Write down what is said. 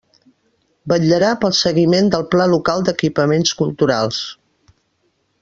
Vetllarà pel seguiment del Pla Local d'Equipaments Culturals.